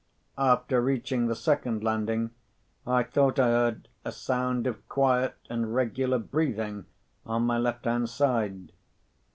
After reaching the second landing, I thought I heard a sound of quiet and regular breathing on my left hand side.